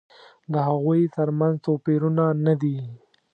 د هغوی تر منځ توپیرونه نه دي.